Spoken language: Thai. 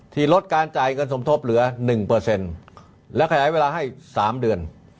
ลดการจ่ายเงินสมทบเหลือ๑และขยายเวลาให้๓เดือน